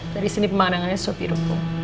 dari sini pemandangannya sopiru